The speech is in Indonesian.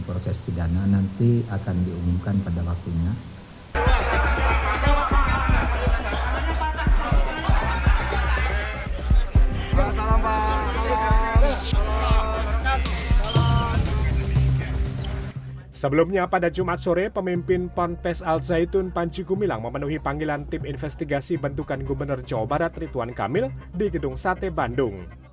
pertama memimpin ponpes al zaitun panji kumilang memenuhi panggilan tim investigasi bentukan gubernur jawa barat ritwan kamil di gedung sate bandung